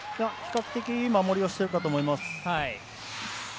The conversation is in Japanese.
比較的いい守りをしているかと思います。